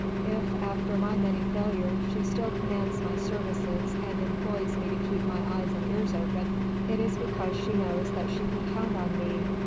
If after my many failures she still commands my services and employs me to keep my eyes and ears open, it is because she knows that she can count on me.